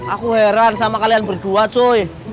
aku heran sama kalian berdua coy